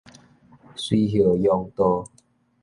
垂葉榕道